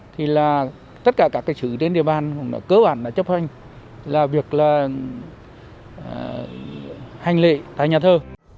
thì là tất cả các sự trên địa bàn cơ bản đã chấp hành là việc là hành lễ tại nhà thơ